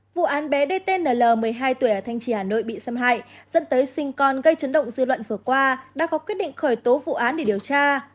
vụ án bé dtnl một mươi hai tuổi ở thanh trì hà nội bị xâm hại dẫn tới sinh con gây chấn động dư luận vừa qua đã có quyết định khởi tố vụ án để điều tra